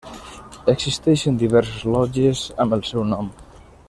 Existeixen diverses lògies amb el seu nom.